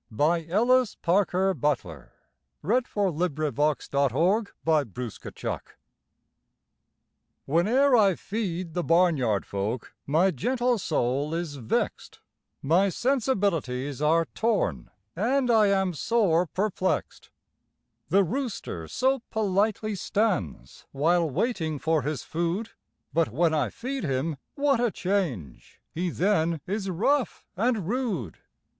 JM Embroideries & Collectibles A Question By Ellis Parker Butler Wheneer I feed the barnyard folk My gentle soul is vexed; My sensibilities are torn And I am sore perplexed. The rooster so politely stands While waiting for his food, But when I feed him, what a change! He then is rough and rude.